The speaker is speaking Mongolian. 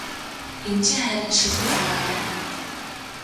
Энэ чинь харин шилдэг санаа байна.